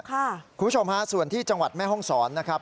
คุณผู้ชมฮะส่วนที่จังหวัดแม่ห้องศรนะครับ